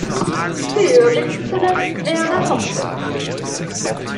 Hier wirkte zuletzt Werner Hoppe.